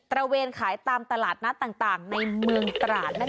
ระเวนขายตามตลาดนัดต่างในเมืองตราดนั่นเอง